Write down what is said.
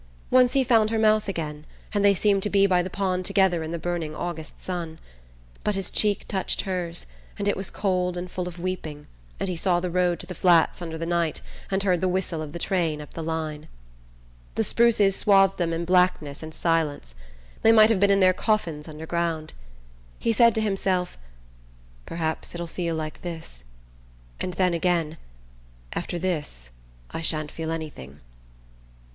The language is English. Once he found her mouth again, and they seemed to be by the pond together in the burning August sun. But his cheek touched hers, and it was cold and full of weeping, and he saw the road to the Flats under the night and heard the whistle of the train up the line. The spruces swathed them in blackness and silence. They might have been in their coffins underground. He said to himself: "Perhaps it'll feel like this..." and then again: "After this I sha'n't feel anything..."